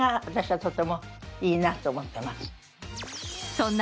そんな